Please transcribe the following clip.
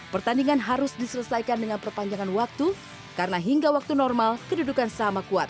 pertandingan harus diselesaikan dengan perpanjangan waktu karena hingga waktu normal kedudukan sama kuat